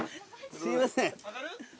すいません。